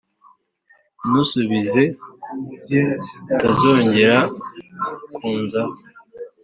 ntusubize itazongera kunzaho